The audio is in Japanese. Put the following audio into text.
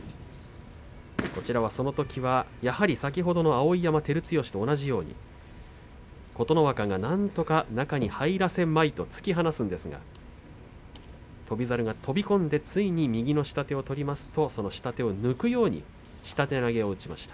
そのときは、やはり先ほどの碧山と照強と同じように琴ノ若がなんとか中に入らせまいと突き放すんですが翔猿が飛び込んで、ついに右の下手を取りますとその下手を抜くように下手投げを打ちました。